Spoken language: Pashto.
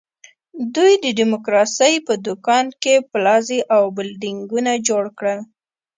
دوی د ډیموکراسۍ په دوکان کې پلازې او بلډینګونه جوړ کړل.